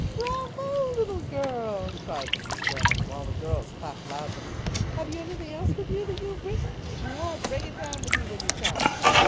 "Bravo! little girl," cried Mrs. Sherman, while the girls clapped loudly. "Have you anything else with you that you have written? If you have, bring it down with you when you come."